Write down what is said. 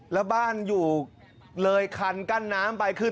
แล้วบ้านอยู่เลยคันกั้นน้ำไปขึ้น